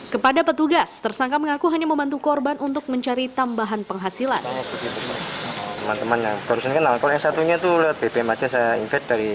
kepada petugas tersangka mengaku hanya membantu korban untuk mencari tambahan penghasilan